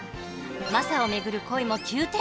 マサを巡る恋も急展開。